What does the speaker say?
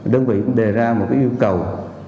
đơn vị cũng đề ra một yêu cầu